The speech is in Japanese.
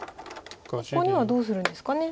ここにはどうするんですかね。